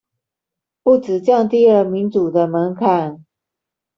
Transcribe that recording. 不只降低了民主的門檻